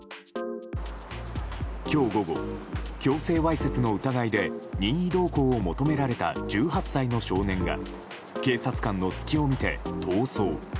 今日午後、強制わいせつの疑いで任意同行を求められた１８歳の少年が警察官の隙を見て逃走。